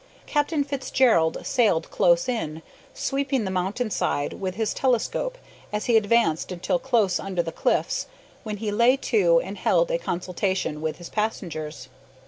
Captain Fitzgerald sailed close in, sweeping the mountain side with his telescope as he advanced until close under the cliffs, when he lay to and held a consultation with his passengers.